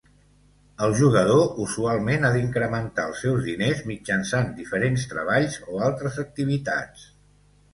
El jugador usualment ha d'incrementar els seus diners mitjançant diferents treballs o altres activitats.